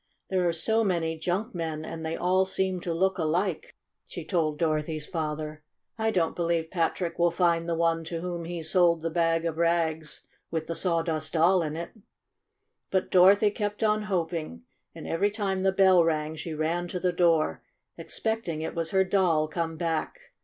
"There are so many junk men, and they all seem to look alike," she told Dorothy's 104 STORY OF A SAWDUST DOLL father. "I don't believe Patrick will find the one to whom he sold the bag of rags with the Sawdust Doll in it." But Dorothy kept on hoping, and every time the bell rang she ran to the door, ex pecting it was her Doll come back.